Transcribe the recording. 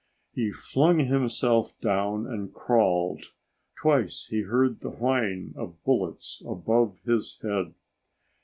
He flung himself down and crawled. Twice, he heard the whine of bullets above his head.